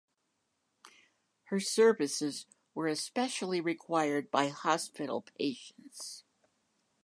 Her services were especially required by hospital patients.